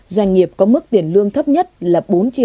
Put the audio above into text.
doanh nghiệp có mức tiền lương thấp nhất là